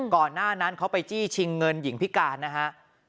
ก่อนหน้านั้นเขาไปจี้ชิงเงินหญิงพิการนะฮะ